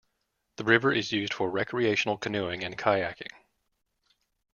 The river is used for recreational canoeing and kayaking.